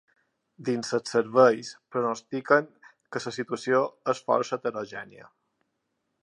Dins els serveis, pronostiquen que la situació és força heterogènia.